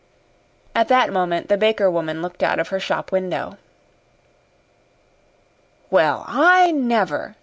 At that moment the baker woman looked out of her shop window. "Well, I never!"